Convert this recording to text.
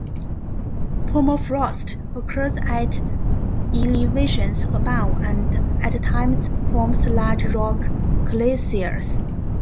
Permafrost occurs at elevations above and at times forms large rock glaciers.